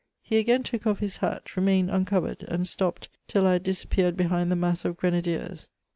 He again took off Us hat^ remained uncorered, and stopped till I had disappeared behmd the mass of grenadiers.